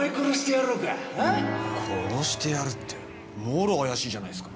殺してやるってもろ怪しいじゃないっすか。